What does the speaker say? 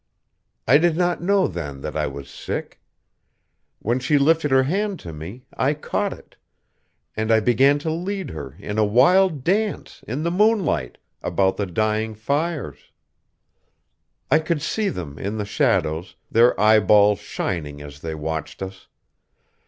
"I did not know then that I was sick. When she lifted her hand to me, I caught it; and I began to lead her in a wild dance, in the moonlight, about their dying fires. I could see them, in the shadows, their eyeballs shining as they watched us....